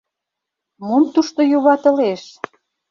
«Мом тушто юватылеш?